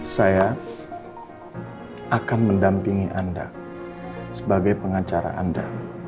saya akan mendampingi anda sebagai pengacara anda